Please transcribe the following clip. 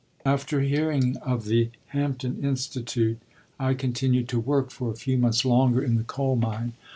After hearing of the Hampton Institute, I continued to work for a few months longer in the coal mine.